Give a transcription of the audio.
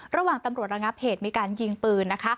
ระหว่างตำรวจระงับเหตุมีการยิงปืนนะคะ